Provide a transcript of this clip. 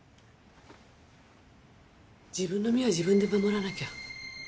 自分の身は自分で守らなきゃ。